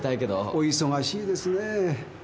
お忙しいですね。